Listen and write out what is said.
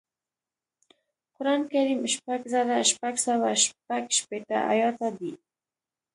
قران کریم شپږ زره شپږ سوه شپږشپېته ایاته دی